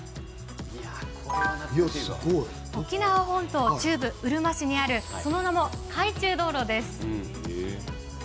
沖縄本島中部うるま市にあるその名も海中道路です。